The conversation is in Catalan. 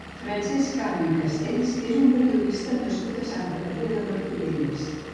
Francesc Cano i Castells és un periodista nascut a Santa Maria de Martorelles.